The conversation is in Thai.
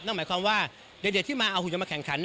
หมายความว่าเด็กที่มาเอาหุ่นยนมาแข่งขัน